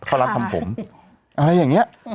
เขาร้านทำผมอะไรอย่างเนี่ย